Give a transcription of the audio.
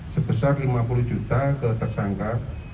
sebesar lima puluh juta ke tersangka